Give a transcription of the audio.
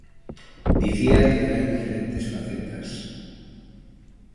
Dicía que hai diferentes facetas.